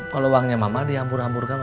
kalau uangnya mama diambur amburkan